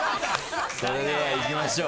それではいきましょう。